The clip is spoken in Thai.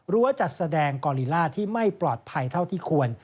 จัดแสดงกอลิล่าที่ไม่ปลอดภัยเท่าที่ควร